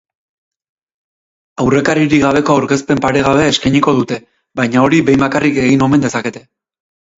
Aurrekaririk gabeko aurkezpen paregabea eskainiko dute baina hori behin bakarrik egin omen dezakete.